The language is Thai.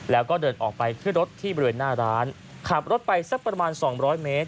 แล้วก็เดินออกไปขึ้นรถที่บริเวณหน้าร้านขับรถไปสักประมาณสองร้อยเมตร